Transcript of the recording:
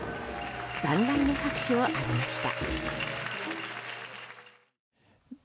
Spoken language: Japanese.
万雷の拍手を浴びました。